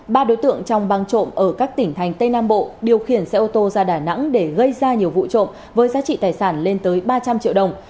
ba đối tượng trong băng trộm ở các tỉnh thành tây nam bộ điều khiển xe ô tô ra đà nẵng để gây ra nhiều vụ trộm với giá trị tài sản lên tới ba trăm linh triệu đồng